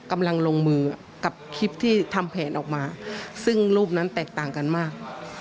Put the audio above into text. กำลังลงมือกับคลิปที่ทำแผนออกมาซึ่งรูปนั้นแตกต่างกันมาก